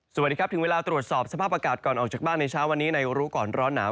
สวัสดีครับถึงเวลาตรวจสอบสภาพอากาศก่อนออกจากบ้านในเช้าวันนี้ในรู้ก่อนร้อนหนาว